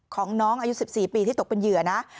ของน้องอายุ๑๔ปีที่ตกเป็นเหยื่อนะ